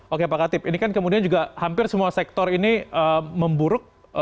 oke pak katip ini kan kemudian juga hampir semua sektor ini memburuk